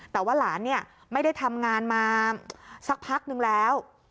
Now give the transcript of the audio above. แต่ว่าหลานเนี่ยไม่ได้ทำงานมาสักพักนึงแล้ว